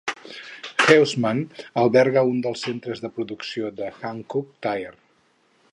Geumsam alberga un dels centres de producció de Hankook Tire.